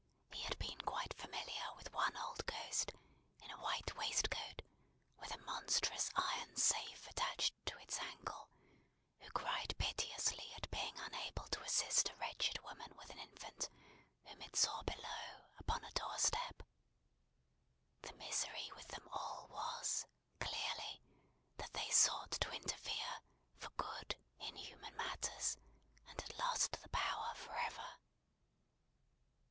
He had been quite familiar with one old ghost, in a white waistcoat, with a monstrous iron safe attached to its ankle, who cried piteously at being unable to assist a wretched woman with an infant, whom it saw below, upon a door step. The misery with them all was, clearly, that they sought to interfere, for good, in human matters, and had lost the power for ever.